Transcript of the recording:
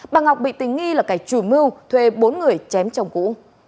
bà ngọc bị tình nghi là kẻ chủ mưu thuê bốn người chém chồng cũ